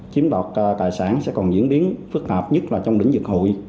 chiếm đoạt tài sản sẽ còn diễn biến phức hợp nhất là trong đỉnh dịch hội